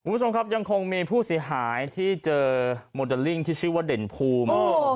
คุณผู้ชมครับยังคงมีผู้เสียหายที่เจอโมเดลลิ่งที่ชื่อว่าเด่นภูมิ